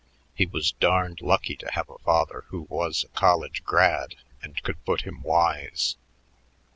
He was darned lucky to have a father who was a college grad and could put him wise.